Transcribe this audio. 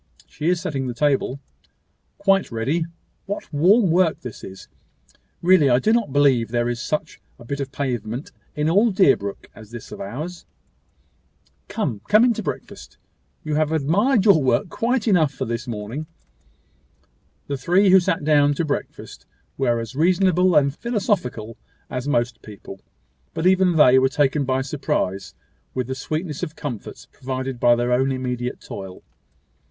She is setting the table." "Quite ready. What warm work this is! Really I do not believe there is such a bit of pavement in all Deerbrook as this of ours." "Come come in to breakfast. You have admired your work quite enough for this morning." The three who sat down to breakfast were as reasonable and philosophical as most people; but even they were taken by surprise with the sweetness of comforts provided by their own immediate toil.